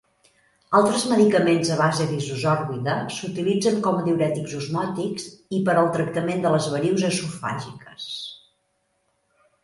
Altres medicaments a base d'isosorbida s'utilitzen com a diürètics osmòtics i per al tractament de les varius esofàgiques.